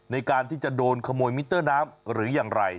ในการที่จะโดนขโมยมิเตอร์น้ำหรืออย่างไร